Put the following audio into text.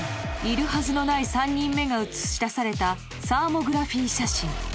いるはずのない３人目がうつしだされたサーモグラフィ写真